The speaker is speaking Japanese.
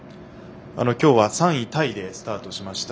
今日は３位タイでスタートしました。